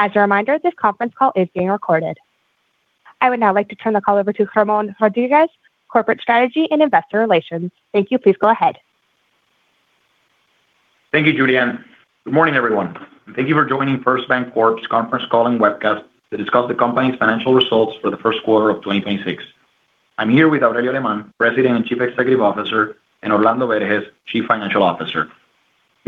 As a reminder, this conference call is being recorded. I would now like to turn the call over to Ramon Rodriguez, Corporate Strategy and Investor Relations. Thank you. Please go ahead. Thank you, Julian. Good morning, everyone. Thank you for joining First BanCorp.'s conference call and webcast to discuss the company's financial results for the first quarter of 2026. I'm here with Aurelio Alemán, President and Chief Executive Officer, and Orlando Berges, Chief Financial Officer.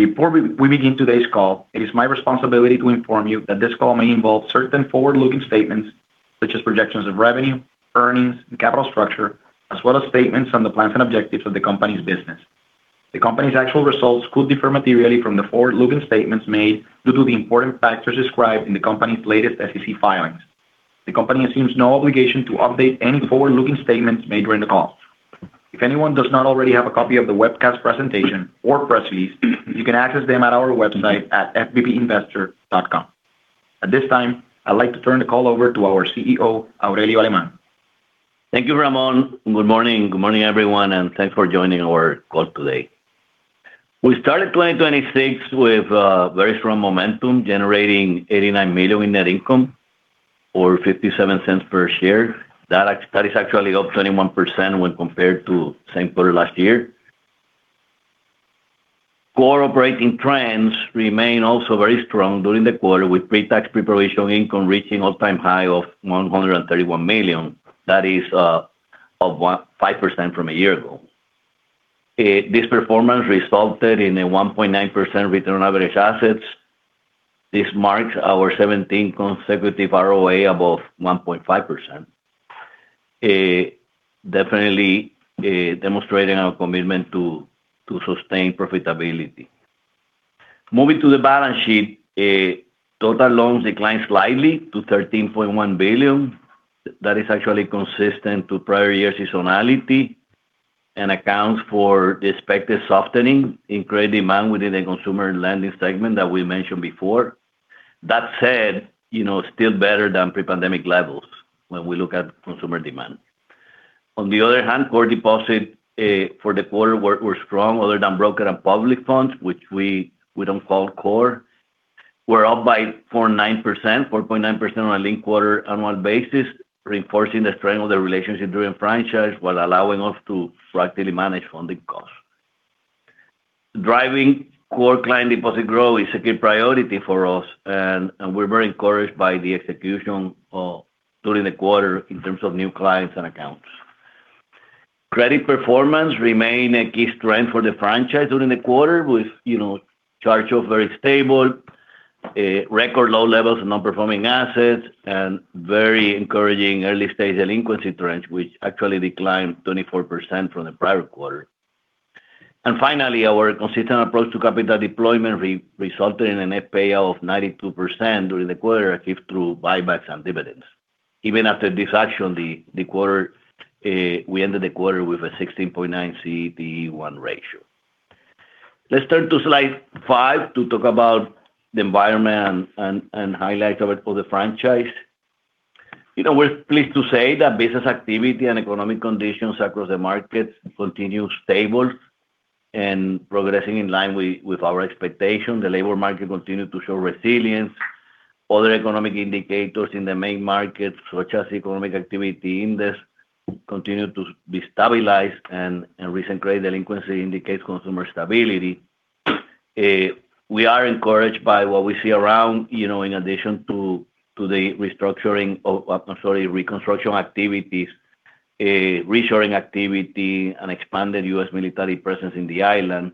Before we begin today's call, it is my responsibility to inform you that this call may involve certain forward-looking statements such as projections of revenue, earnings, and capital structure, as well as statements on the plans and objectives of the company's business. The company's actual results could differ materially from the forward-looking statements made due to the important factors described in the company's latest SEC filings. The company assumes no obligation to update any forward-looking statements made during the call. If anyone does not already have a copy of the webcast presentation or press release, you can access them at our website at fbpinvestor.com. At this time, I'd like to turn the call over to our CEO, Aurelio Alemán. Thank you, Ramon. Good morning. Good morning, everyone, and thanks for joining our call today. We started 2026 with very strong momentum, generating $89 million in net income or $0.57 per share. That is actually up 21% when compared to the same quarter last year. Core operating trends remain also very strong during the quarter, with pre-tax pre-provision income reaching all-time high of $131 million. That is up 5% from a year ago. This performance resulted in a 1.9% return on average assets. This marks our 17th consecutive ROA above 1.5%, definitely demonstrating our commitment to sustain profitability. Moving to the balance sheet, total loans declined slightly to $13.1 billion. That is actually consistent to prior year seasonality and accounts for the expected softening in credit demand within the consumer lending segment that we mentioned before. That said, still better than pre-pandemic levels when we look at consumer demand. On the other hand, core deposits for the quarter were strong. Other than broker and public funds, which we don't call core, were up by 4.9% on a linked quarter annual basis, reinforcing the strength of the relationship during franchise while allowing us to proactively manage funding costs. Driving core client deposit growth is a key priority for us, and we're very encouraged by the execution during the quarter in terms of new clients and accounts. Credit performance remained a key strength for the franchise during the quarter with charge-off very stable, record low levels of non-performing assets, and very encouraging early-stage delinquency trends, which actually declined 24% from the prior quarter. Finally, our consistent approach to capital deployment resulted in a net payout of 92% during the quarter achieved through buybacks and dividends. Even after this action, we ended the quarter with a 16.9 CET1 ratio. Let's turn to slide five to talk about the environment and highlights of it for the franchise. We're pleased to say that business activity and economic conditions across the market continue stable and progressing in line with our expectations. The labor market continued to show resilience. Other economic indicators in the main markets, such as economic activity index, continued to be stabilized, and recent credit delinquency indicates consumer stability. We are encouraged by what we see around in addition to the reconstruction activities, reshoring activity, and expanded U.S. military presence in the island,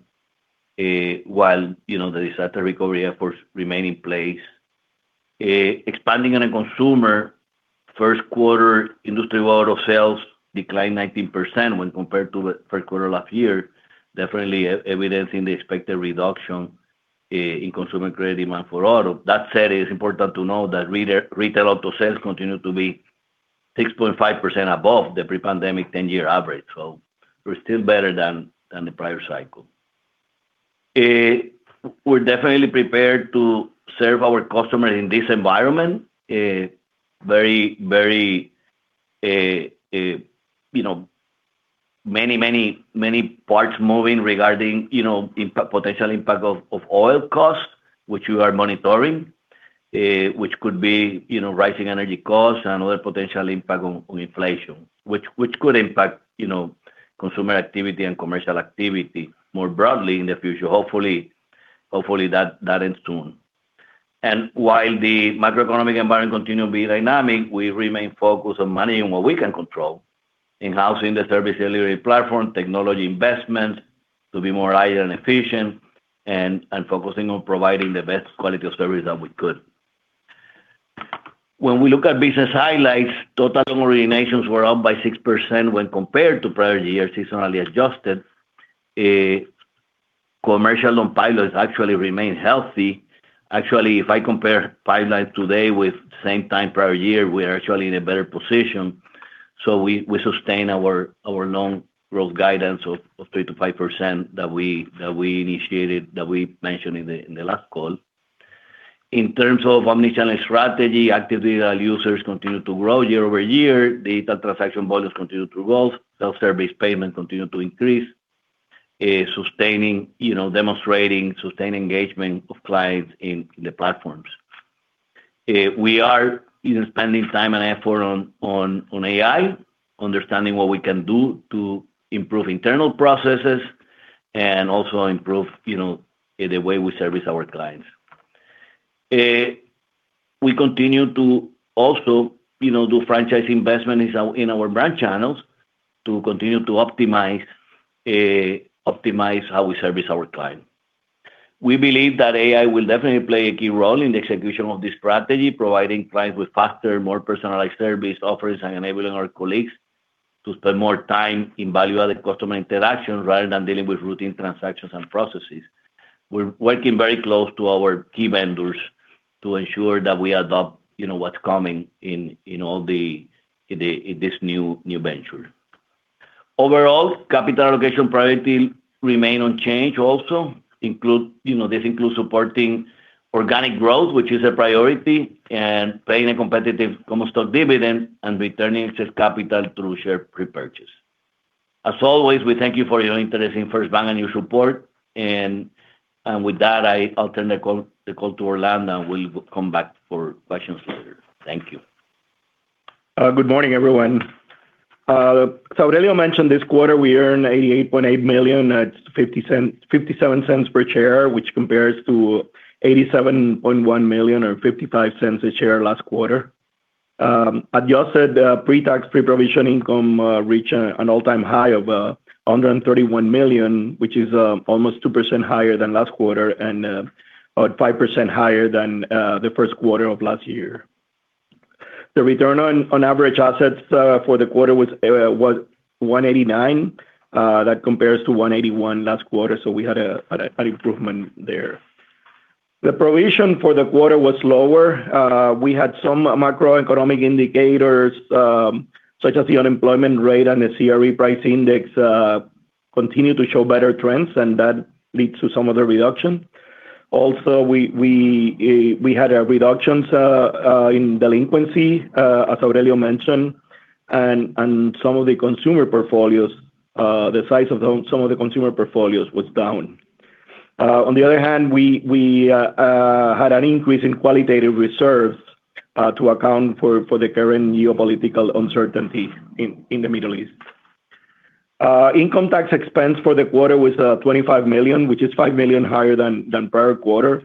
while the disaster recovery efforts remain in place. Expanding on the consumer, first quarter industry auto sales declined 19% when compared to the first quarter last year, definitely evidencing the expected reduction in consumer credit demand for auto. That said, it is important to know that retail auto sales continue to be 6.5% above the pre-pandemic 10-year average. We're still better than the prior cycle. We're definitely prepared to serve our customers in this environment. Many parts moving regarding potential impact of oil costs, which we are monitoring, which could be rising energy costs and other potential impact on inflation, which could impact consumer activity and commercial activity more broadly in the future. Hopefully, that ends soon. While the macroeconomic environment continue to be dynamic, we remain focused on managing what we can control, enhancing the service delivery platform, technology investment to be more agile and efficient, and focusing on providing the best quality of service that we could. When we look at business highlights, total loan originations were up by 6% when compared to prior year, seasonally adjusted. Commercial loan pipelines actually remain healthy. Actually, if I compare pipelines today with same time prior year, we are actually in a better position. We sustain our loan growth guidance of 3%-5% that we initiated, that we mentioned in the last call. In terms of omnichannel strategy, active digital users continue to grow year-over-year. Data transaction volumes continue to grow. Self-service payments continue to increase, is sustaining, demonstrating sustained engagement of clients in the platforms. We are spending time and effort on AI, understanding what we can do to improve internal processes and also improve the way we service our clients. We continue to also do franchise investment in our branch channels to continue to optimize how we service our client. We believe that AI will definitely play a key role in the execution of this strategy, providing clients with faster, more personalized service offerings, and enabling our colleagues to spend more time in valuable customer interaction rather than dealing with routine transactions and processes. We're working very closely with our key vendors to ensure that we adopt what's coming in all this new venture. Overall, capital allocation priority remain unchanged also. This includes supporting organic growth, which is a priority, and paying a competitive common stock dividend, and returning excess capital through share repurchase. As always, we thank you for your interest in FirstBank and your support. With that, I'll turn the call to Orlando, and we'll come back for questions later. Thank you. Good morning, everyone. Aurelio mentioned this quarter we earned $88.8 million. That's $0.57 per share, which compares to $87.1 million, or $0.55 a share last quarter. Adjusted pre-tax, pre-provision income reached an all-time high of $131 million, which is almost 2% higher than last quarter and about 5% higher than the first quarter of last year. The return on average assets for the quarter was 1.89%. That compares to 1.81% last quarter, so we had an improvement there. The provision for the quarter was lower. We had some macroeconomic indicators, such as the unemployment rate and the CRE price index continue to show better trends, and that leads to some of the reduction. We had a reduction in delinquency as Aurelio mentioned, and some of the consumer portfolios, the size of some of the consumer portfolios was down. On the other hand, we had an increase in qualitative reserves to account for the current geopolitical uncertainty in the Middle East. Income tax expense for the quarter was $25 million, which is $5 million higher than prior quarter.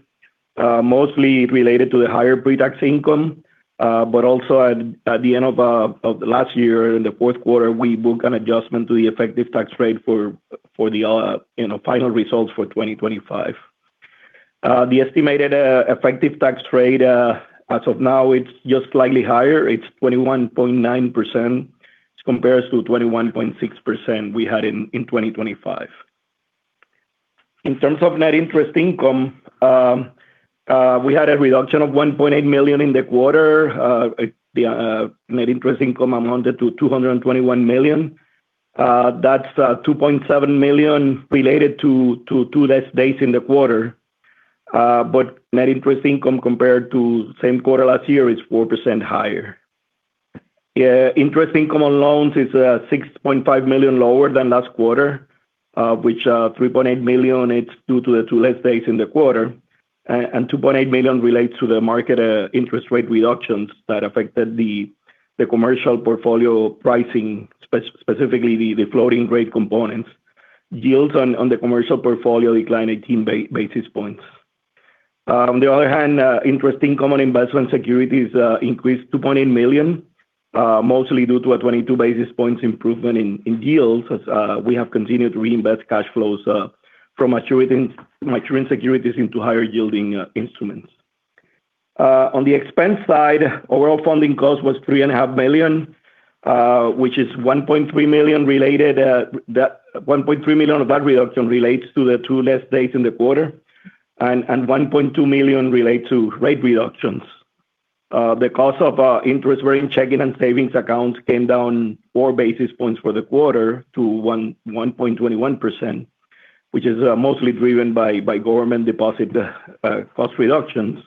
Mostly related to the higher pre-tax income. also at the end of last year, in the fourth quarter, we booked an adjustment to the effective tax rate for the final results for 2025. The estimated effective tax rate as of now it's just slightly higher. It's 21.9%, which compares to 21.6% we had in 2025. In terms of net interest income, we had a reduction of $1.8 million in the quarter. The net interest income amounted to $221 million. That's $2.7 million related to two less days in the quarter. Net interest income compared to same quarter last year is 4% higher. Interest income on loans is $6.5 million lower than last quarter, which $3.8 million is due to the two less days in the quarter, and $2.8 million relates to the market interest rate reductions that affected the commercial portfolio pricing, specifically the floating rate components. Yields on the commercial portfolio declined 18 basis points. On the other hand, interest income on investment securities increased $2.8 million, mostly due to a 22 basis points improvement in yields, as we have continued to reinvest cash flows from maturing securities into higher yielding instruments. On the expense side, overall funding cost was $3.5 million. $1.3 million of that reduction relates to the two less days in the quarter, and $1.2 million relate to rate reductions. The cost of interest-bearing checking and savings accounts came down four basis points for the quarter to 1.21%, which is mostly driven by government deposit cost reductions.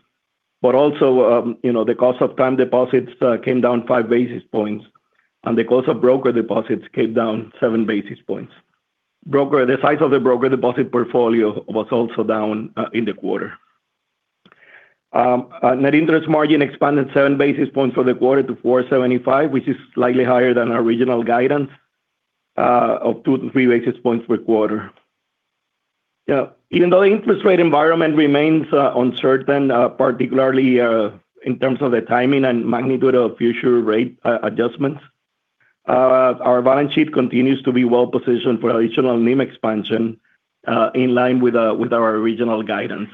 Also, the cost of time deposits came down 5 basis points. The cost of broker deposits came down 7 basis points. The size of the broker deposit portfolio was also down in the quarter. Net interest margin expanded 7 basis points for the quarter to 4.75%, which is slightly higher than our regional guidance of 2-3 basis points per quarter. Even though the interest rate environment remains uncertain, particularly in terms of the timing and magnitude of future rate adjustments, our balance sheet continues to be well-positioned for additional NIM expansion in line with our regional guidance.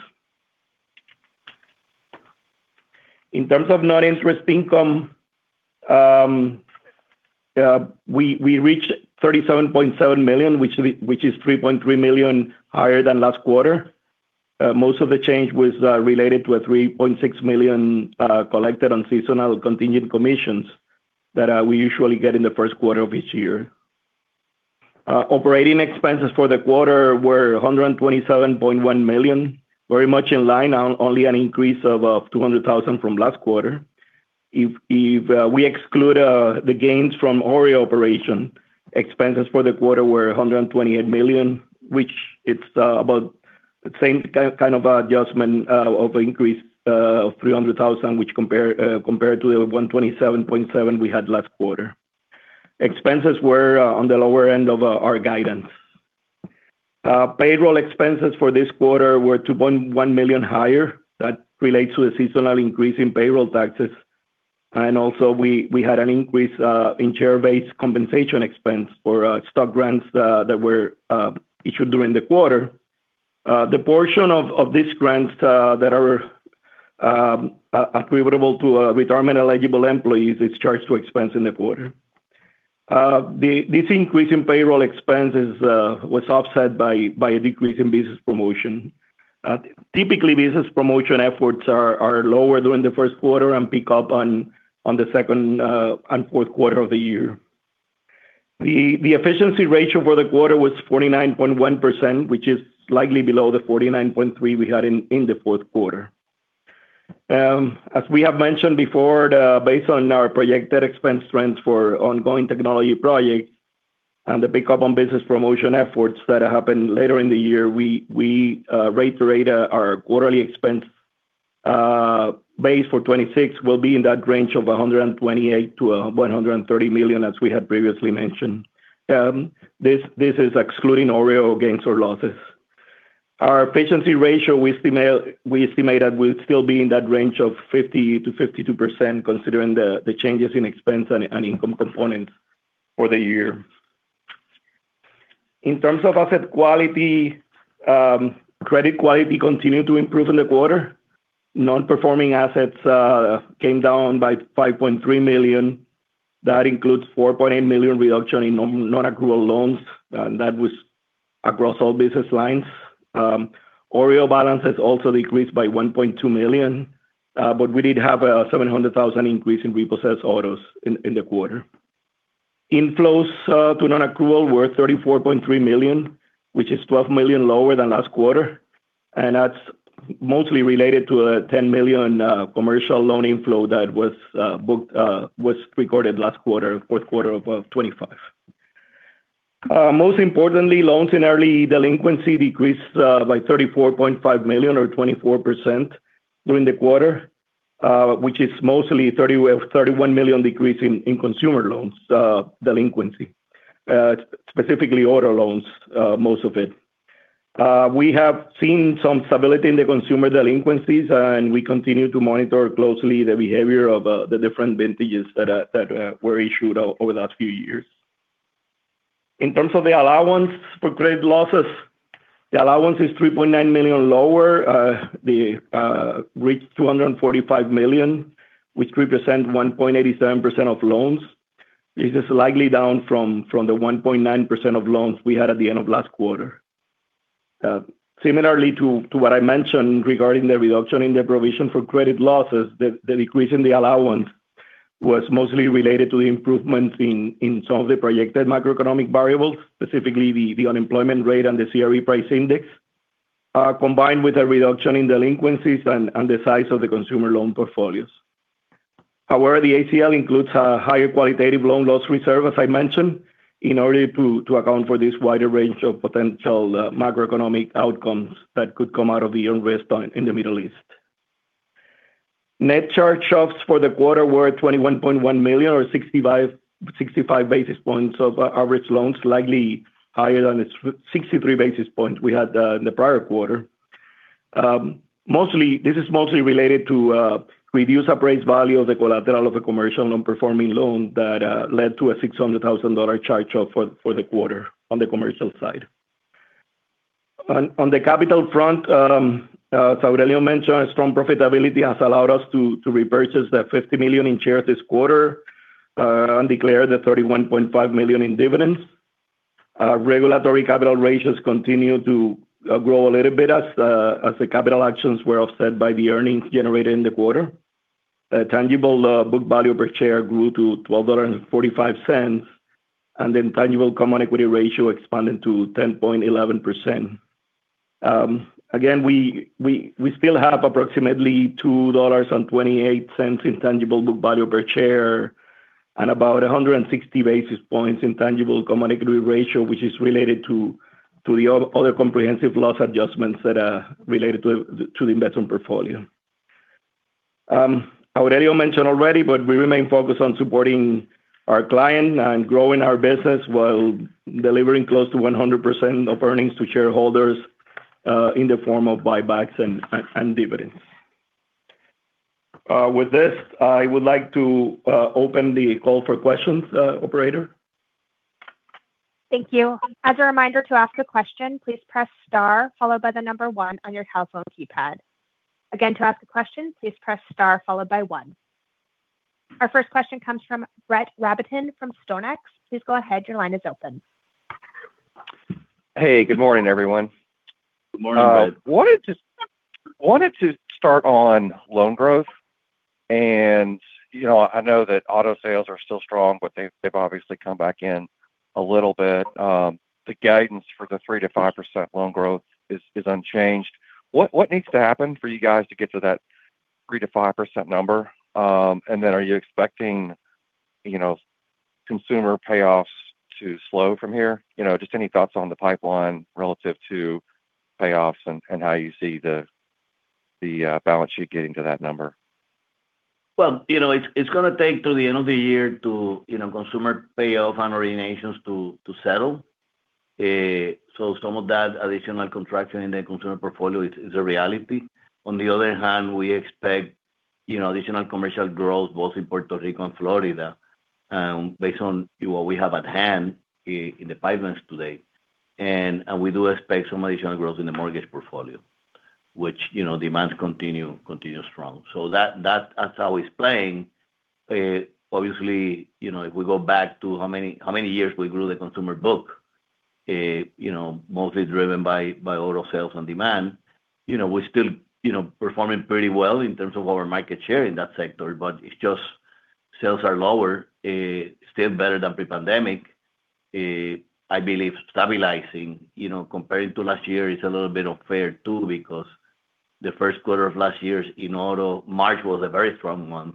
In terms of non-interest income, we reached $37.7 million, which is $3.3 million higher than last quarter. Most of the change was related to a $3.6 million collected on seasonal contingent commissions that we usually get in the first quarter of each year. Operating expenses for the quarter were $127.1 million, very much in line, only an increase of $200,000 from last quarter. If we exclude the gains from OREO operation, expenses for the quarter were $128 million, which is about the same kind of adjustment of increase of $300,000, which compared to the $127.7 we had last quarter. Expenses were on the lower end of our guidance. Payroll expenses for this quarter were $2.1 million higher. That relates to a seasonal increase in payroll taxes, and also we had an increase in share-based compensation expense for stock grants that were issued during the quarter. The portion of these grants that are attributable to retirement eligible employees is charged to expense in the quarter. This increase in payroll expenses was offset by a decrease in business promotion. Typically, business promotion efforts are lower during the first quarter and pick up in the second and fourth quarter of the year. The efficiency ratio for the quarter was 49.1%, which is slightly below the 49.3% we had in the fourth quarter. As we have mentioned before, based on our projected expense trends for ongoing technology projects and the pick-up in business promotion efforts that happen later in the year, we're raising our quarterly expense base for 2026 will be in that range of $128 million-$130 million, as we had previously mentioned. This is excluding OREO gains or losses. Our efficiency ratio, we estimated will still be in that range of 50%-52% considering the changes in expense and income components for the year. In terms of asset quality, credit quality continued to improve in the quarter. Non-performing assets came down by $5.3 million. That includes $4.8 million reduction in non-accrual loans, and that was across all business lines. OREO balances also decreased by $1.2 million, but we did have a $700,000 increase in repossessed autos in the quarter. Inflows to non-accrual were $34.3 million, which is $12 million lower than last quarter, and that's mostly related to a $10 million commercial loan inflow that was recorded last quarter, fourth quarter of 2025. Most importantly, loans in early delinquency decreased by $34.5 million or 24% during the quarter, which is mostly $31 million decrease in consumer loans delinquency, specifically auto loans, most of it. We have seen some stability in the consumer delinquencies, and we continue to monitor closely the behavior of the different vintages that were issued over the last few years. In terms of the allowance for credit losses, the allowance is $3.9 million lower. They reached $245 million, which represent 1.87% of loans. This is slightly down from the 1.9% of loans we had at the end of last quarter. Similarly to what I mentioned regarding the reduction in the provision for credit losses, the decrease in the allowance was mostly related to the improvements in some of the projected macroeconomic variables, specifically the unemployment rate and the CRE price index, combined with a reduction in delinquencies and the size of the consumer loan portfolios. However, the ACL includes a higher qualitative loan loss reserve, as I mentioned, in order to account for this wider range of potential macroeconomic outcomes that could come out of the unrest in the Middle East. Net charge-offs for the quarter were $21.1 million or 65 basis points of average loans, slightly higher than the 63 basis points we had in the prior quarter. This is mostly related to a reduced appraised value of the collateral of a commercial non-performing loan that led to a $600,000 charge-off for the quarter on the commercial side. On the capital front, as Aurelio mentioned, strong profitability has allowed us to repurchase the $50 million in shares this quarter and declare the $31.5 million in dividends. Our regulatory capital ratios continue to grow a little bit as the capital actions were offset by the earnings generated in the quarter. Tangible book value per share grew to $12.45, and the tangible common equity ratio expanded to 10.11%. Again, we still have approximately $2.28 in tangible book value per share and about 160 basis points in tangible common equity ratio, which is related to the other comprehensive loss adjustments that are related to the investment portfolio. Aurelio mentioned already, but we remain focused on supporting our clients and growing our business while delivering close to 100% of earnings to shareholders in the form of buybacks and dividends. With this, I would like to open the call for questions. Operator. Thank you. As a reminder to ask a question, please press star followed by the number one on your telephone keypad. Again, to ask a question, please press star followed by one. Our first question comes from Brett Rabatin from StoneX. Please go ahead, your line is open. Hey, good morning, everyone. Good morning, Brett. Wanted to start on loan growth. I know that auto sales are still strong, but they've obviously come back in a little bit. The guidance for the 3%-5% loan growth is unchanged. What needs to happen for you guys to get to that 3%-5% number? Then are you expecting consumer payoffs to slow from here? Just any thoughts on the pipeline relative to payoffs and how you see the balance sheet getting to that number. Well, it's going to take till the end of the year to consumer payoff and originations to settle. Some of that additional contraction in the consumer portfolio is a reality. On the other hand, we expect additional commercial growth both in Puerto Rico and Florida based on what we have at hand in the pipelines today. We do expect some additional growth in the mortgage portfolio, which demand continue strong. That's how it's playing. Obviously, if we go back to how many years we grew the consumer book, mostly driven by auto sales and demand, we're still performing pretty well in terms of our market share in that sector, but it's just sales are lower, still better than pre-pandemic. I believe stabilizing, comparing to last year is a little bit unfair too, because the first quarter of last year in auto, March was a very strong month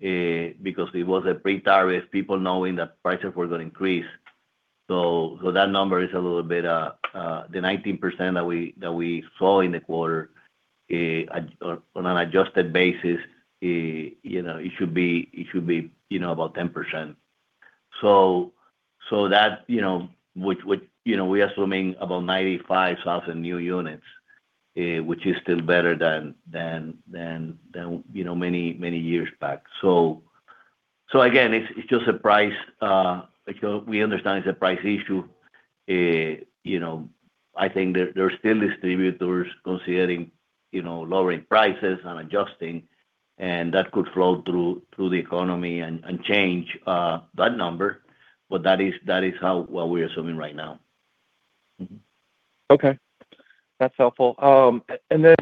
because it was a pre-tariffs, people knowing that prices were going to increase. That number is a little bit, the 19% that we saw in the quarter on an adjusted basis, it should be about 10%. We are assuming about 95,000 new units, which is still better than many years back. Again, we understand it's a price issue. I think there are still distributors considering lowering prices and adjusting, and that could flow through the economy and change that number. That is what we are assuming right now. Okay. That's helpful.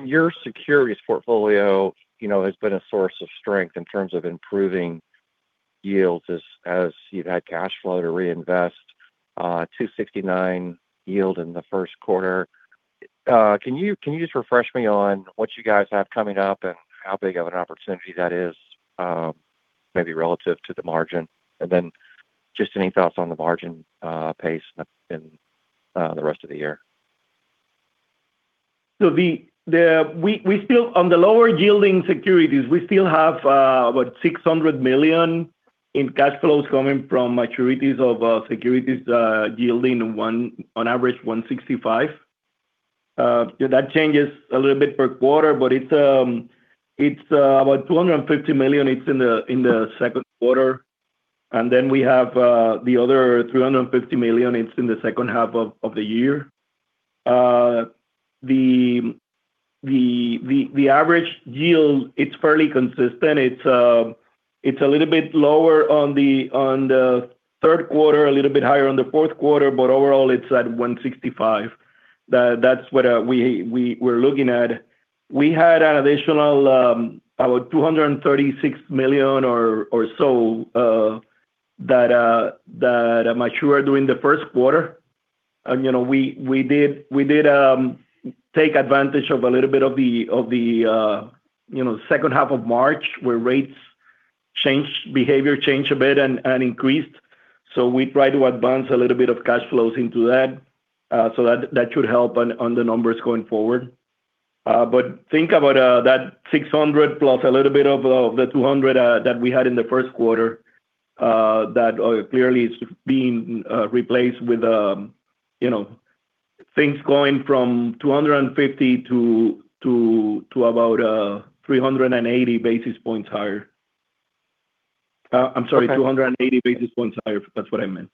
Your securities portfolio has been a source of strength in terms of improving yields as you've had cash flow to reinvest, 2.69% yield in the first quarter. Can you just refresh me on what you guys have coming up and how big of an opportunity that is maybe relative to the margin? Just any thoughts on the margin pace in the rest of the year? On the lower yielding securities, we still have about $600 million in cash flows coming from maturities of securities yielding on average 165. That changes a little bit per quarter, but it's about $250 million, it's in the second quarter. We have the other $350 million, it's in the second half of the year. The average yield, it's fairly consistent. It's a little bit lower on the third quarter, a little bit higher on the fourth quarter, but overall, it's at 165. That's what we're looking at. We had an additional about $236 million or so that matured during the first quarter. We did take advantage of a little bit of the second half of March where rates changed, behavior changed a bit and increased. We try to advance a little bit of cash flows into that. That should help on the numbers going forward. Think about that 600 plus a little bit of the 200 that we had in the first quarter that clearly is being replaced with things going from 250 to about 380 basis points higher. I'm sorry, 280 basis points higher, that's what I meant.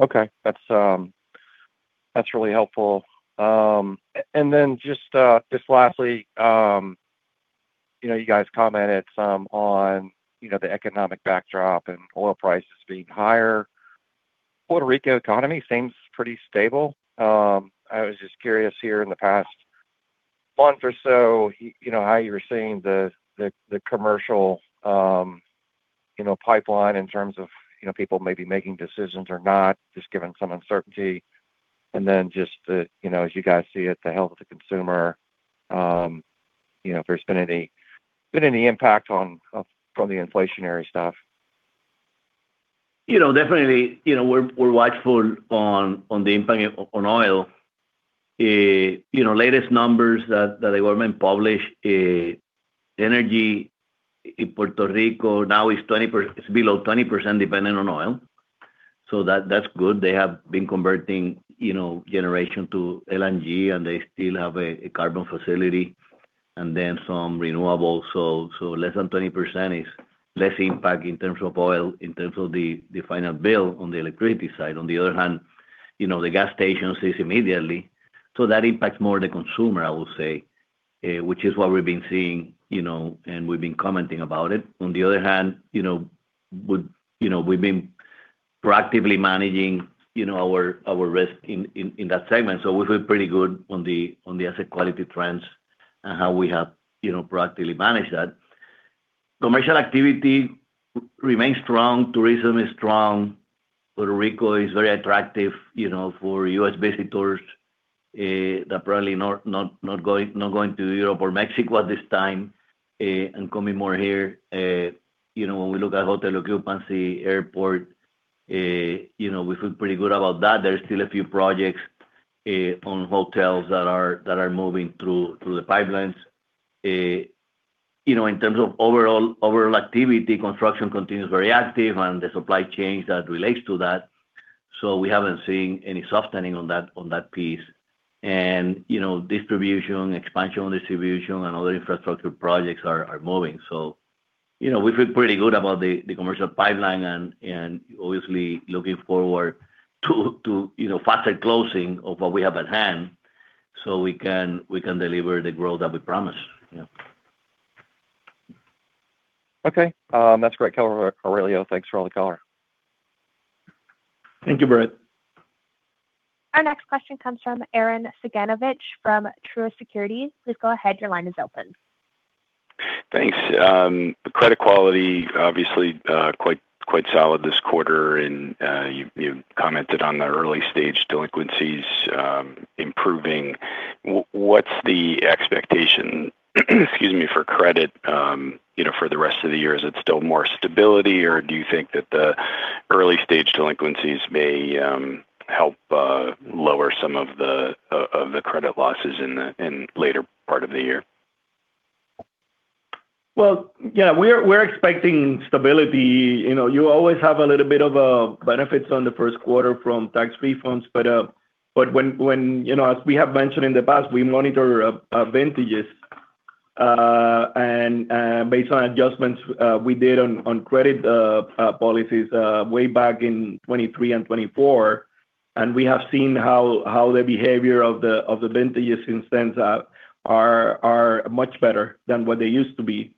Okay. That's really helpful. Just lastly, you guys commented some on the economic backdrop and oil prices being higher. Puerto Rico economy seems pretty stable. I was just curious here in the past month or so, how you're seeing the commercial pipeline in terms of people maybe making decisions or not, just given some uncertainty. Just as you guys see it, the health of the consumer, if there's been any impact from the inflationary stuff. Definitely, we're watchful on the impact on oil. Latest numbers that the government published, energy in Puerto Rico now is below 20% dependent on oil. That's good. They have been converting generation to LNG, and they still have a coal facility, and then some renewable. Less than 20% is less impact in terms of oil, in terms of the final bill on the electricity side. On the other hand, the gas stations is immediate. That impacts more the consumer, I would say, which is what we've been seeing, and we've been commenting about it. On the other hand, we've been proactively managing our risk in that segment. We feel pretty good on the asset quality trends and how we have proactively managed that. Commercial activity remains strong. Tourism is strong. Puerto Rico is very attractive for U.S.-based tourists that probably not going to Europe or Mexico at this time and coming more here. When we look at hotel occupancy, airport, we feel pretty good about that. There's still a few projects on hotels that are moving through the pipelines. In terms of overall activity, construction continues very active and the supply chains that relate to that. We haven't seen any softening on that piece. Expansion on distribution and other infrastructure projects are moving. We feel pretty good about the commercial pipeline and obviously looking forward to faster closing of what we have at hand so we can deliver the growth that we promised. Yeah. Okay. That's great, Aurelio. Thanks for all the color. Thank you, Brett. Our next question comes from Arren Cyganovich from Truist Securities. Please go ahead. Your line is open. Thanks. Credit quality, obviously, quite solid this quarter. You commented on the early-stage delinquencies improving. What's the expectation, excuse me, for credit for the rest of the year? Is it still more stability or do you think that the early-stage delinquencies may help lower some of the credit losses in later part of the year? Well, yeah. We're expecting stability. You always have a little bit of benefits on the first quarter from tax refunds. As we have mentioned in the past, we monitor vintages. Based on adjustments we did on credit policies way back in 2023 and 2024, and we have seen how the behavior of the vintages since then are much better than what they used to be.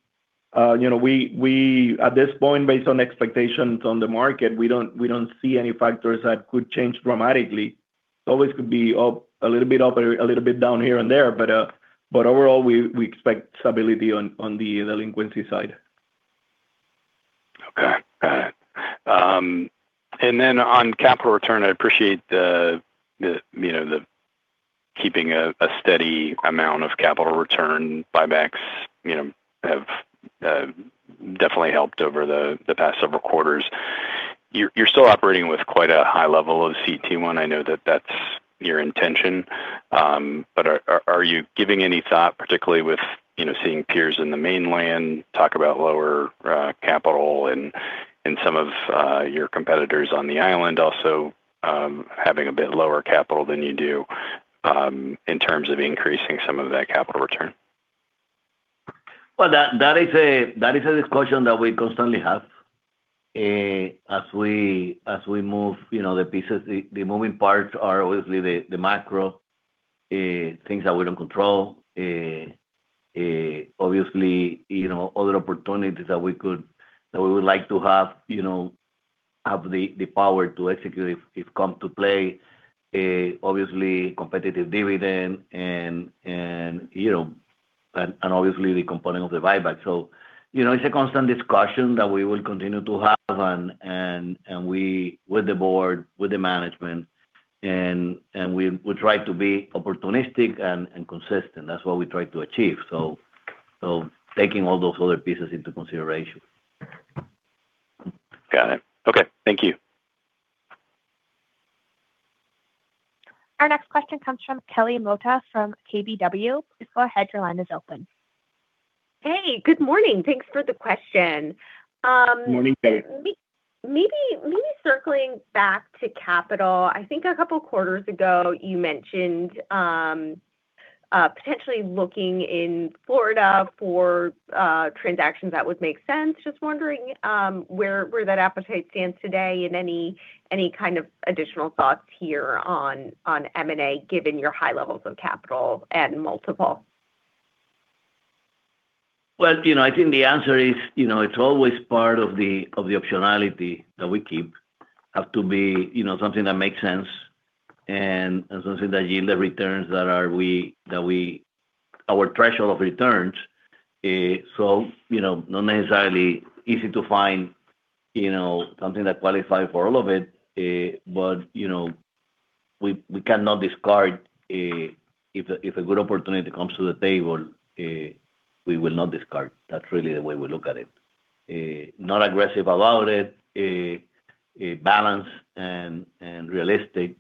At this point, based on expectations on the market, we don't see any factors that could change dramatically. It always could be up, a little bit up or a little bit down here and there, but overall, we expect stability on the delinquency side. Okay. Got it. On capital return, I appreciate your keeping a steady amount of capital return. Buybacks have definitely helped over the past several quarters. You're still operating with quite a high level of CET1. I know that that's your intention. Are you giving any thought, particularly with seeing peers in the mainland talk about lower capital and some of your competitors on the island also having a bit lower capital than you do in terms of increasing some of that capital return? Well, that is a discussion that we constantly have. As we move the pieces, the moving parts are obviously the macro things that we don't control. Obviously, other opportunities that we would like to have the power to execute if come to play. Obviously, competitive dividend and obviously the component of the buyback. It's a constant discussion that we will continue to have, and with the board, with the management, and we try to be opportunistic and consistent. That's what we try to achieve. Taking all those other pieces into consideration. Got it. Okay. Thank you. Our next question comes from Kelly Motta from KBW. Please go ahead. Your line is open. Hey, good morning. Thanks for the question. Morning, Kelly. Maybe circling back to capital. I think a couple quarters ago, you mentioned potentially looking in Florida for transactions that would make sense. Just wondering where that appetite stands today and any kind of additional thoughts here on M&A, given your high levels of capital and multiple. Well, I think the answer is it's always part of the optionality that we keep. It has to be something that makes sense and something that yield the returns that our threshold of returns. Not necessarily easy to find something that qualify for all of it. We cannot discard if a good opportunity comes to the table, we will not discard. That's really the way we look at it. Not aggressive about it. Balanced and realistic,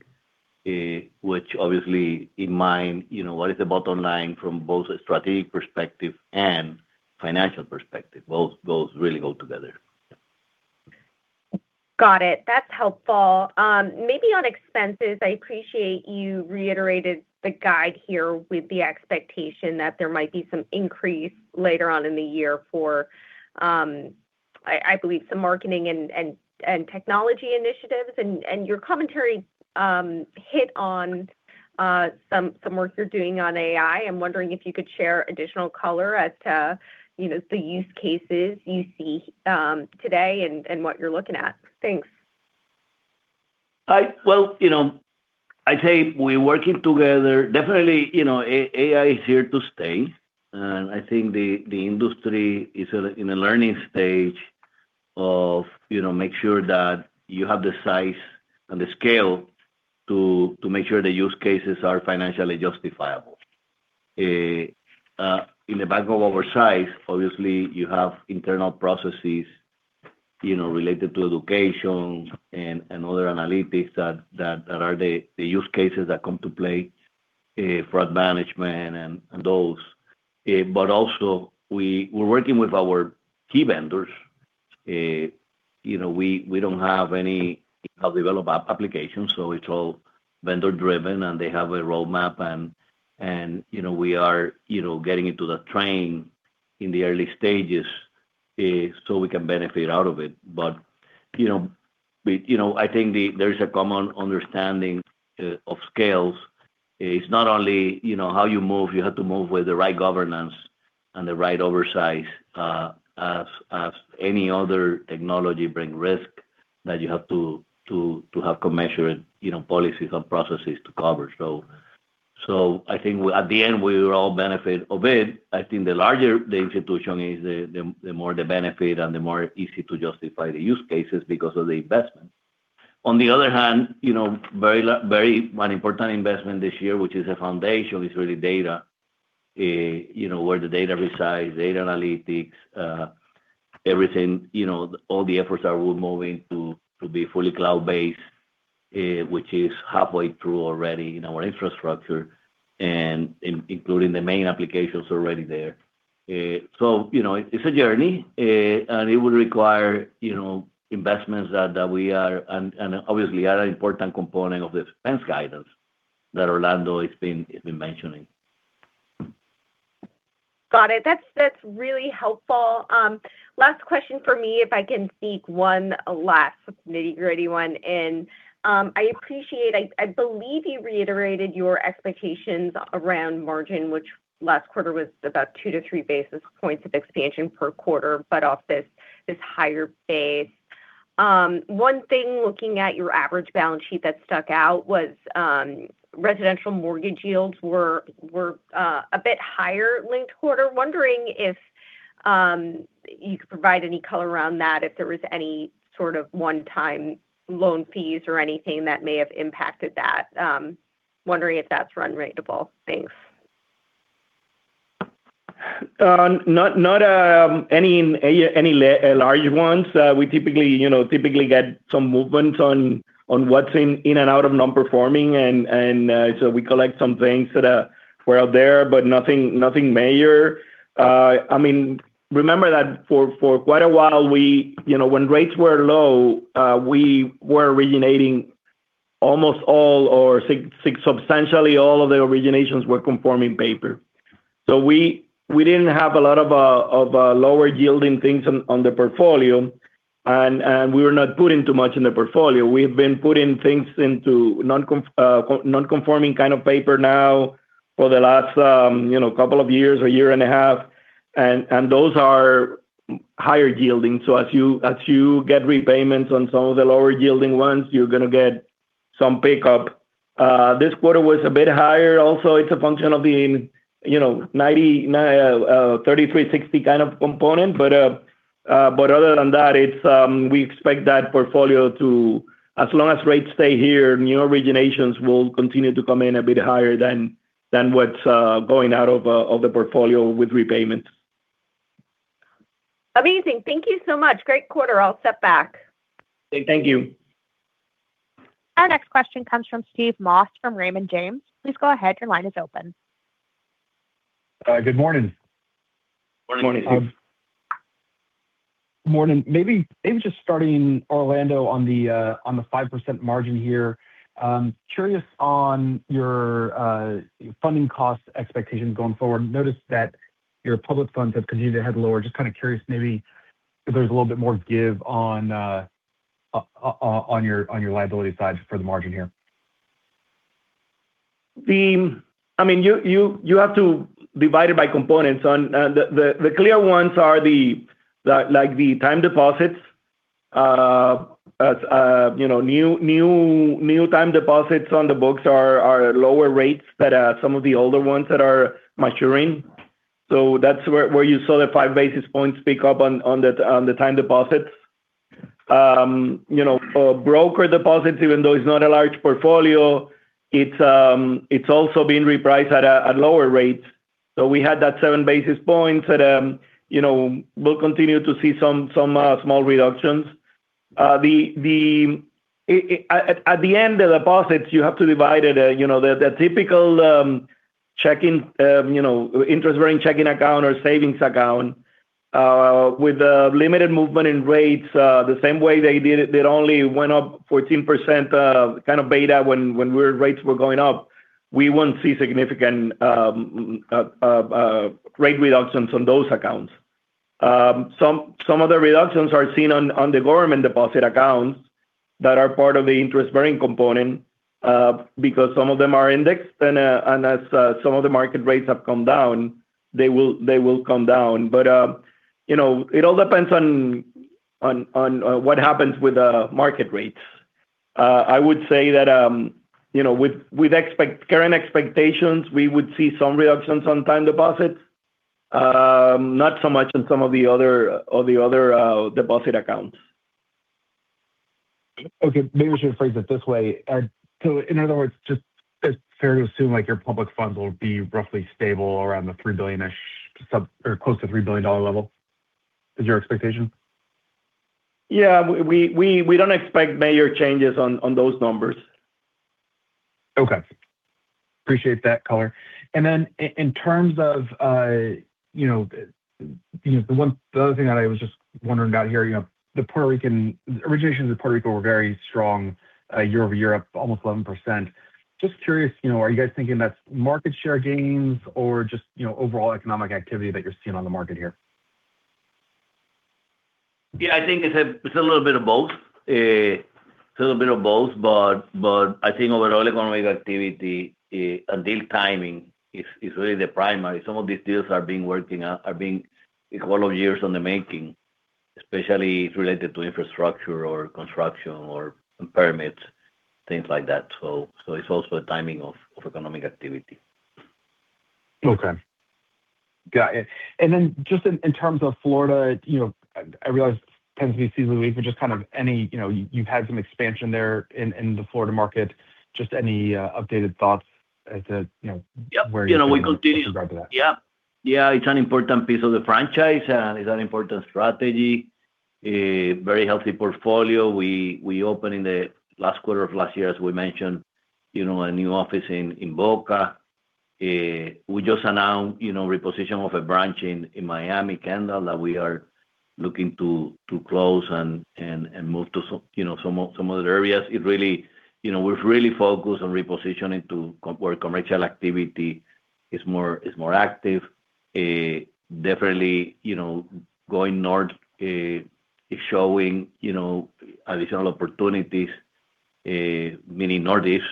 which obviously we have in mind, what is the bottom line from both a strategic perspective and financial perspective. Both really go together. Got it. That's helpful. Maybe on expenses, I appreciate you reiterated the guide here with the expectation that there might be some increase later on in the year for I believe some marketing and technology initiatives. Your commentary hit on some work you're doing on AI. I'm wondering if you could share additional color as to the use cases you see today and what you're looking at. Thanks. Well, I'd say we're working together. Definitely, AI is here to stay, and I think the industry is in a learning stage of making sure that you have the size and the scale to make sure the use cases are financially justifiable. In the bank of our size, obviously, you have internal processes related to education and other analytics that are the use cases that come into play for management and those. Also, we're working with our key vendors. We don't have any in-house developed applications, so it's all vendor-driven, and they have a roadmap, and we are getting on the train in the early stages so we can benefit from it. I think there is a common understanding of scales. It's not only how you move. You have to move with the right governance and the right oversight as any other technology bring risk that you have to have commensurate policies and processes to cover. I think at the end, we will all benefit of it. I think the larger the institution is, the more the benefit and the more easy to justify the use cases because of the investment. On the other hand, one important investment this year, which is the foundation, is really data, where the data resides, data analytics, everything. All the efforts that we're moving to be fully cloud-based, which is halfway through already in our infrastructure and including the main applications already there. It's a journey. It will require investments that we are, and obviously, are an important component of the expense guidance that Orlando has been mentioning. Got it. That's really helpful. Last question from me, if I can sneak one last nitty-gritty one in. I appreciate, I believe you reiterated your expectations around margin, which last quarter was about 2-3 basis points of expansion per quarter, but off this higher base. One thing looking at your average balance sheet that stuck out was residential mortgage yields were a bit higher linked quarter. Wondering if you could provide any color around that, if there was any sort of one-time loan fees or anything that may have impacted that. Wondering if that's run-rateable. Thanks. Not any large ones. We typically get some movement on what's in and out of non-performing, and so we collect some things that were out there, but nothing major. Remember that for quite a while, when rates were low, we were originating almost all or substantially all of the originations were conforming paper. We didn't have a lot of lower yielding things on the portfolio. We were not putting too much in the portfolio. We've been putting things into non-conforming kind of paper now for the last couple of years or year and a half, and those are higher yielding. As you get repayments on some of the lower yielding ones, you're going to get some pickup. This quarter was a bit higher. Also, it's a function of the 30-360 kind of component. Other than that, we expect that portfolio to, as long as rates stay here, new originations will continue to come in a bit higher than what's going out of the portfolio with repayments. Amazing. Thank you so much. Great quarter all set back. Thank you. Our next question comes from Steve Moss from Raymond James. Please go ahead. Your line is open. Good morning. Morning, Steve. Morning. Maybe just starting, Orlando, on the 5% margin here. Curious on your funding cost expectations going forward. Noticed that your public funds have continued to head lower. Just kind of curious maybe if there's a little bit more give on your liability side for the margin here. You have to divide it by components. The clear ones are the time deposits. New time deposits on the books are lower rates than some of the older ones that are maturing. That's where you saw the 5 basis points pick up on the time deposits. Broker deposits, even though it's not a large portfolio, it's also being repriced at lower rates. We had that 7 basis points that we'll continue to see some small reductions. At the end, the deposits, you have to divide it, the typical interest-bearing checking account or savings account, with limited movement in rates the same way they did. It only went up 14% kind of beta when rates were going up. We wouldn't see significant rate reductions on those accounts. Some of the reductions are seen on the government deposit accounts that are part of the interest-bearing component, because some of them are indexed, and as some of the market rates have come down, they will come down. It all depends on what happens with the market rates. I would say that with current expectations, we would see some reductions on time deposits. Not so much on some of the other deposit accounts. Okay. Maybe we should phrase it this way. In other words, just it's fair to assume your public funds will be roughly stable around the $3 billion-ish or close to $3 billion level is your expectation? Yeah. We don't expect major changes on those numbers. Okay. I appreciate that color. In terms of, the other thing that I was just wondering about here, originations in Puerto Rico were very strong year-over-year, up almost 11%, just curious, are you guys thinking that's market share gains or just overall economic activity that you're seeing on the market here? Yeah, I think it's a little bit of both, but I think overall economic activity and deal timing is really the primary. Some of these deals are being worked on a couple of years in the making especially related to infrastructure or construction or permits, things like that. It's also a timing of economic activity. Okay. Got it. Just in terms of Florida, I realize Pennsylvania, but just kind of any, you've had some expansion there in the Florida market. Just any updated thoughts as to- Yep ...where you go from there. We continue. With regard to that. Yeah. It's an important piece of the franchise, and it's an important strategy. A very healthy portfolio. We opened in the last quarter of last year, as we mentioned, a new office in Boca. We just announced repositioning of a branch in Miami, Kendall, that we are looking to close and move to some other areas. We're really focused on repositioning to where commercial activity is more active. Definitely, going north is showing additional opportunities, meaning northeast,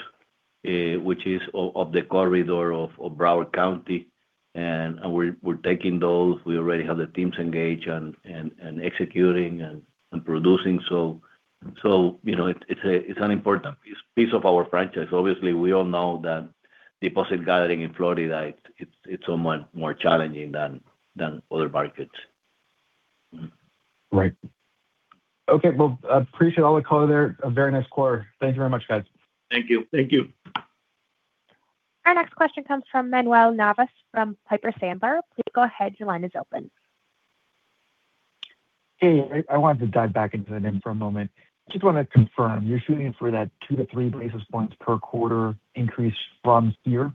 which is off the corridor of Broward County, and we're taking those. We already have the teams engaged and executing and producing. It's an important piece of our franchise. Obviously, we all know that deposit gathering in Florida, it's so much more challenging than other markets. Right. Okay. Well, appreciate all the color there. A very nice quarter. Thank you very much, guys. Thank you. Thank you. Our next question comes from Manuel Navas from Piper Sandler. Please go ahead. Your line is open. Hey, I wanted to dive back into the NIM for a moment. Just want to confirm, you're shooting for that 2-3 basis points per quarter increase from here?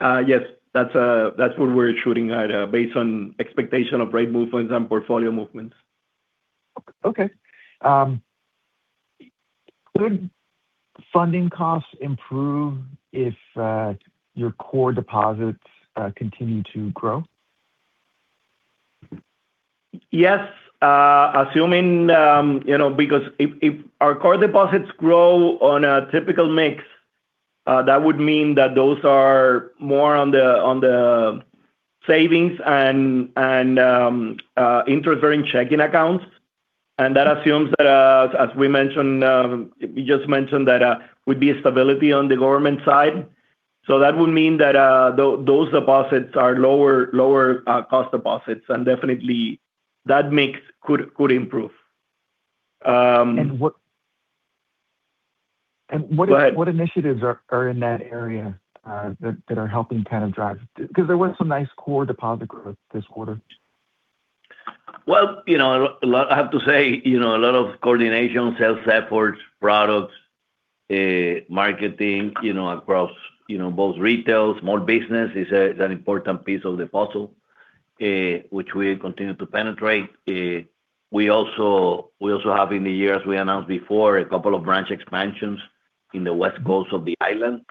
Yes. That's what we're shooting at based on expectation of rate movements and portfolio movements. Okay. Could funding costs improve if your core deposits continue to grow? Yes. Because if our core deposits grow on a typical mix, that would mean that those are more on the savings and interest-bearing checking accounts. That assumes that, as we just mentioned, that would be a stability on the government side. That would mean that those deposits are lower cost deposits and definitely that mix could improve. And what- Go ahead. What initiatives are in that area that are helping kind of drive. Because there was some nice core deposit growth this quarter. Well, I have to say, a lot of coordination, sales efforts, products, marketing across both retails. Small business is an important piece of the puzzle, which we continue to penetrate. We also have in the year, as we announced before, a couple of branch expansions in the West Coast of the island,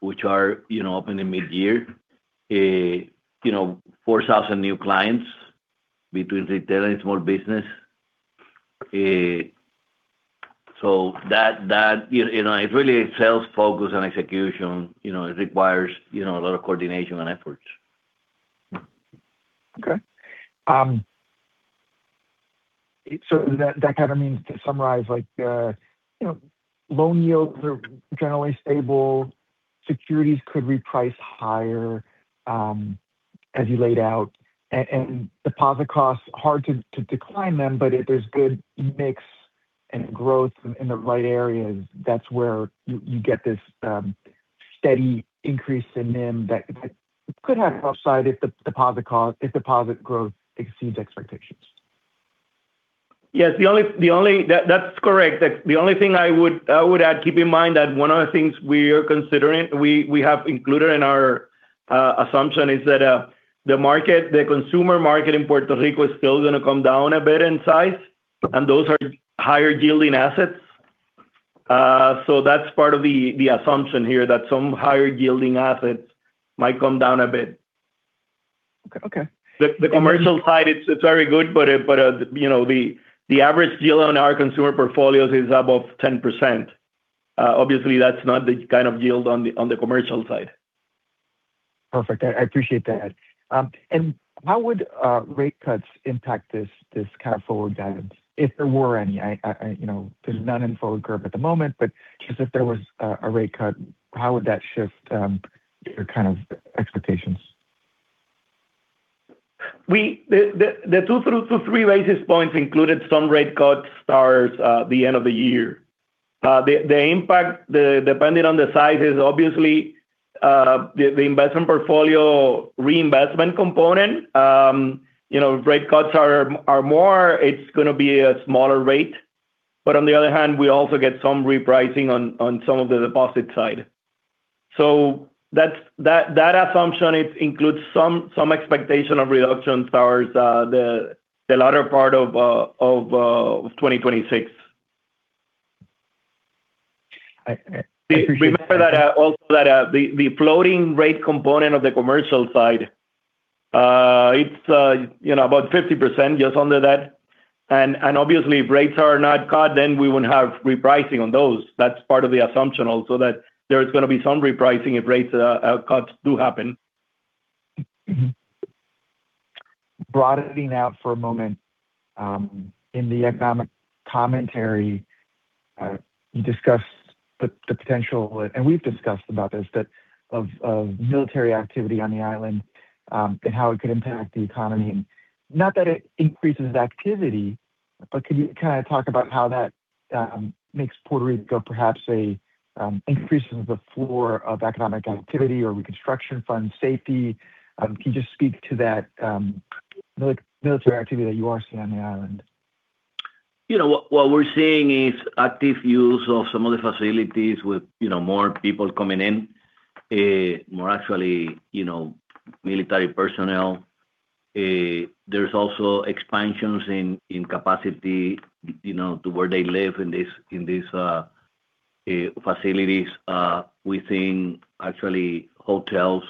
which are opening mid-year. 4,000 new clients between retail and small business. It's really a sales focus and execution. It requires a lot of coordination and efforts. Okay. That kind of means to summarize like, loan yields are generally stable, securities could reprice higher, as you laid out, and deposit costs, hard to decline them, but if there's good mix and growth in the right areas, that's where you get this steady increase in NIM that could have upside if deposit growth exceeds expectations. Yes. That's correct. The only thing I would add, keep in mind that one of the things we are considering, we have included in our assumption is that the consumer market in Puerto Rico is still going to come down a bit in size. Those are higher yielding assets. That's part of the assumption here, that some higher yielding assets might come down a bit. Okay. The commercial side, it's very good, but the average yield on our consumer portfolios is above 10%. Obviously that's not the kind of yield on the commercial side. Perfect. I appreciate that. How would rate cuts impact this kind of forward guidance if there were any? There's none in forward curve at the moment, but just if there was a rate cut, how would that shift your kind of expectations? The 2-3 basis points included some rate cuts toward the end of the year. The impact, depending on the size, is obviously the investment portfolio reinvestment component. If rate cuts are more, it's going to be a smaller rate. On the other hand, we also get some repricing on some of the deposit side. That assumption, it includes some expectation of reductions toward the latter part of 2026. I appreciate that. Remember that also the floating rate component of the commercial side, it's about 50%, just under that. Obviously if rates are not cut, then we wouldn't have repricing on those. That's part of the assumption also that there's going to be some repricing if rate cuts do happen. Broadening out for a moment, in the economic commentary, you discussed the potential, and we've discussed about this, of military activity on the island, and how it could impact the economy. Not that it increases activity, but can you kind of talk about how that makes Puerto Rico perhaps increases the floor of economic activity or reconstruction fund safety? Can you just speak to that military activity that you are seeing on the island? What we're seeing is active use of some of the facilities with more people coming in, more military personnel. There's also expansions in capacity to where they live in these facilities within hotels.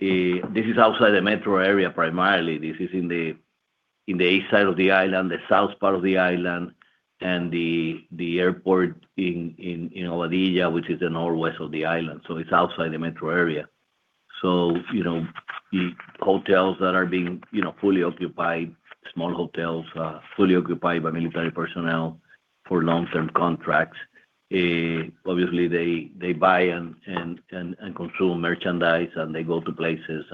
This is outside the metro area primarily. This is in the east side of the island, the south part of the island, and the airport in Aguadilla, which is the northwest of the island, so it's outside the metro area. Hotels that are being fully occupied, small hotels, fully occupied by military personnel for long-term contracts. Obviously they buy and consume merchandise, and they go to places.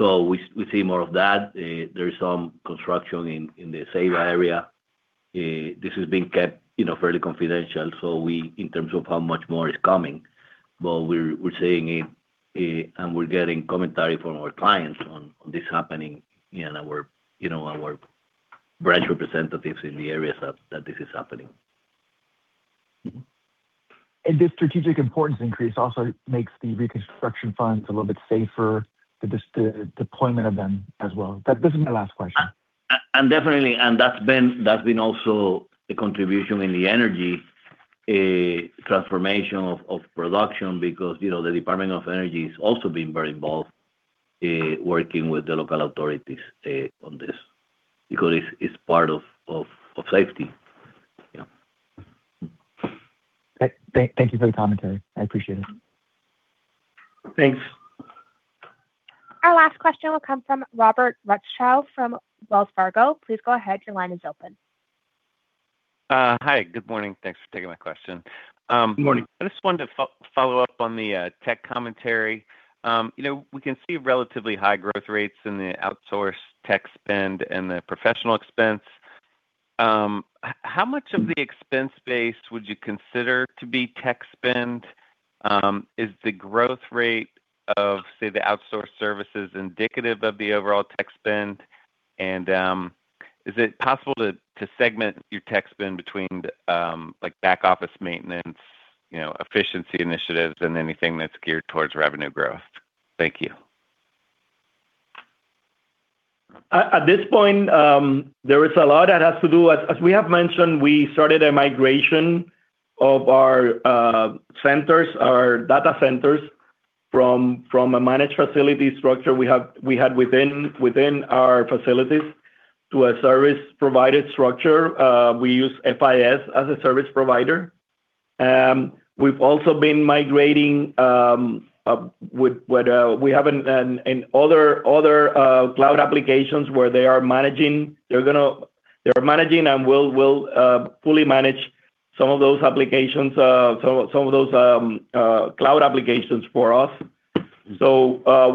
We see more of that. There is some construction in the Ceiba area. This is being kept fairly confidential so in terms of how much more is coming. We're seeing it, and we're getting commentary from our clients on this happening, and our branch representatives in the areas that this is happening. This strategic importance increase also makes the reconstruction funds a little bit safer, the deployment of them as well? This is my last question. Definitely. That's been also a contribution in the energy transformation of production because the Department of Energy has also been very involved working with the local authorities on this because it's part of safety. Yeah. Thank you for the commentary. I appreciate it. Thanks. Our last question will come from Robert Rutschow from Wells Fargo. Please go ahead. Your line is open. Hi. Good morning. Thanks for taking my question. Good morning. I just wanted to follow up on the tech commentary. We can see relatively high growth rates in the outsourced tech spend and the professional expense. How much of the expense base would you consider to be tech spend? Is the growth rate of, say, the outsourced services indicative of the overall tech spend? Is it possible to segment your tech spend between back office maintenance, efficiency initiatives, and anything that's geared towards revenue growth? Thank you. At this point, there is a lot that has to do. As we have mentioned, we started a migration of our centers, our data centers, from a managed facility structure we had within our facilities to a service provider structure. We use FIS as a service provider. We've also been migrating what we have in other cloud applications where they are managing and will fully manage some of those applications, some of those cloud applications for us.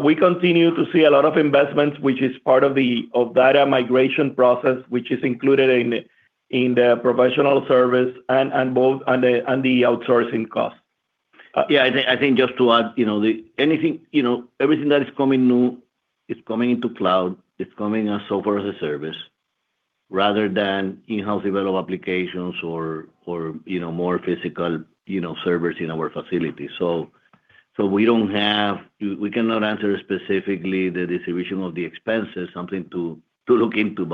We continue to see a lot of investments, which is part of data migration process, which is included in the professional service and the outsourcing cost. Yeah, I think just to add, everything that is coming new, it's coming into cloud, it's coming as software as a service rather than in-house developed applications or more physical servers in our facility. We cannot answer specifically the distribution of the expenses, something to look into.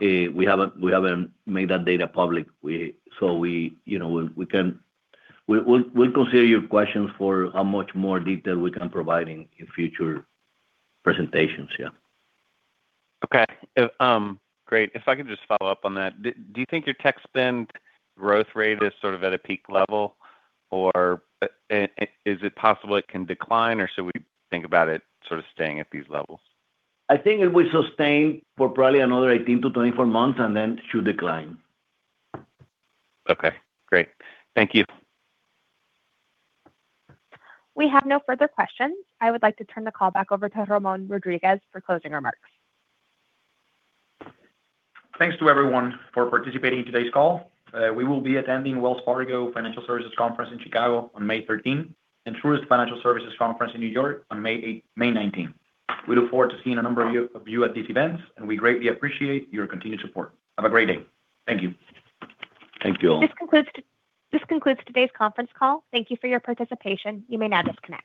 We haven't made that data public. We'll consider your questions for how much more detail we can provide in future presentations. Yeah. Okay. Great. If I could just follow up on that. Do you think your tech spend growth rate is sort of at a peak level, or is it possible it can decline or should we think about it sort of staying at these levels? I think it will sustain for probably another 18-24 months and then should decline. Okay, great. Thank you. We have no further questions. I would like to turn the call back over to Ramon Rodriguez for closing remarks. Thanks to everyone for participating in today's call. We will be attending Wells Fargo Financial Services Investor Conference in Chicago on May 13th and Truist Securities Financial Services Conference in New York on May 19th. We look forward to seeing a number of you at these events, and we greatly appreciate your continued support. Have a great day. Thank you. Thank you all. This concludes today's conference call. Thank you for your participation. You may now disconnect.